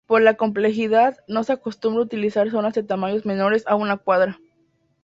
Por la complejidad, no se acostumbra utilizar zonas de tamaños menores a una cuadra.